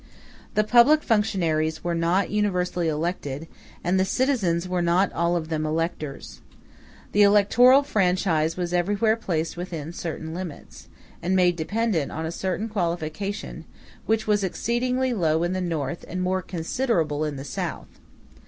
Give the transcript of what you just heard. The public functionaries were not universally elected, and the citizens were not all of them electors. The electoral franchise was everywhere placed within certain limits, and made dependent on a certain qualification, which was exceedingly low in the North and more considerable in the South.